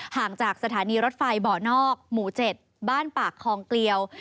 ห่างจากสถานีรถไฟเบาะนอกหมู่๗บ้านปากคลองเกลียว